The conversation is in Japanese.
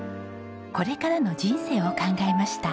これからの人生を考えました。